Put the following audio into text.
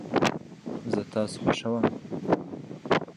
زه تاسو خوښوم